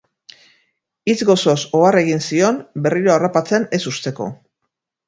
Hitz gozoz ohar egin zion berriro harrapatzen ez uzteko.